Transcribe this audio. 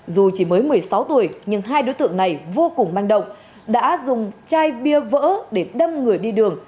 dù chỉ mới một mươi sáu tuổi nhưng hai đối tượng này vô cùng manh động đã dùng chai bia vỡ để đâm người đi đường